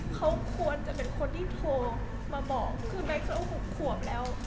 เขาควรจะเป็นคนที่โทรมาบอกคือแม็กซเขา๖ขวบแล้ว